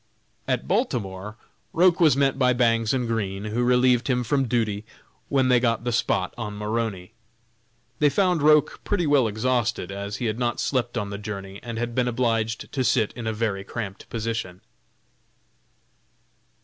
At Baltimore Roch was met by Bangs and Green, who relieved him from duty when they got the "spot" on Maroney. They found Roch pretty well exhausted, as he had not slept on the journey, and had been obliged to sit in a very cramped position.